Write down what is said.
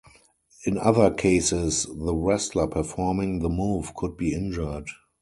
In other cases, the wrestler performing the move could be injured.